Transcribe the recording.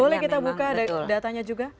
boleh kita buka datanya juga